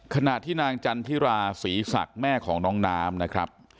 ขณะที่นางจันทิราศรีศักดิ์แม่ของน้องน้ำนะครับ